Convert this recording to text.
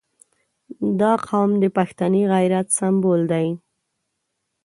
• دا قوم د پښتني غیرت سمبول دی.